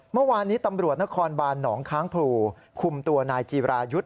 เมื่อวานนี้ตำรวจนครบานหนองค้างพลูคุมตัวนายจีรายุทธ์